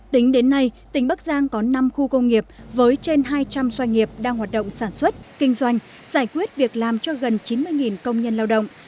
tính đến nay tỉnh bắc giang có năm khu công nghiệp với trên hai trăm linh doanh nghiệp đang hoạt động sản xuất kinh doanh giải quyết việc làm cho gần chín mươi công nhân lao động